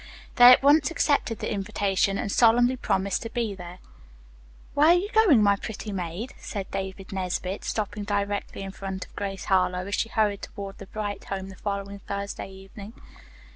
They at once accepted the invitation and solemnly promised to be there. "'Where are you going, my pretty maid?'" said David Nesbit, stopping directly in front of Grace Harlowe as she hurried toward the Bright home the following Thursday evening.